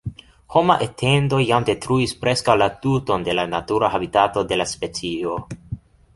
Homa etendo jam detruis preskaŭ la tuton de la natura habitato de la specio.